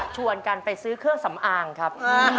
ชวนกันไปซื้อเครื่องสำอางครับ